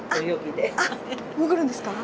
あっ潜るんですか？